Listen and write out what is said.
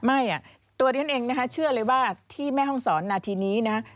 ไม่ตัวดินเองเชื่อเลยว่าที่แม่ห้องสอนอาทินี้นะ